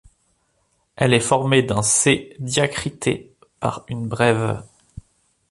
Elle est formée d'un C diacrité par une brève.